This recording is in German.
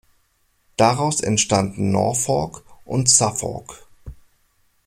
Daraus entstanden „Norfolk“ und „Suffolk“.